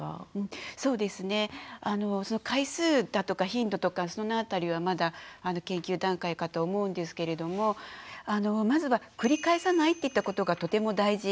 そうですね回数だとか頻度とかその辺りはまだ研究段階かと思うんですけれどもまずは繰り返さないっていったことがとても大事です。